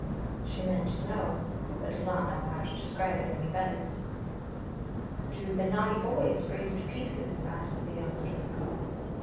She meant snow, but did not know how to describe it any better. " Do the naughty boys freeze to pieces? " asked the young storks.